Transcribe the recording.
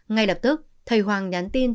ngay lập tức thầy hoàng nhắn tin